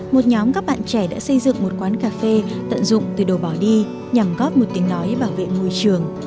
một nhóm các bạn trẻ đã xây dựng một quán cà phê tận dụng từ đồ bỏ đi nhằm góp một tiếng nói bảo vệ môi trường